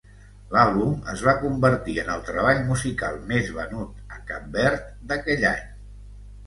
L'àlbum es va convertir en el treball musical més venut a Cap Verd d'aquell any.